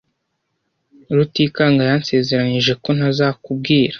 Rutikanga yansezeranije ko ntazakubwira.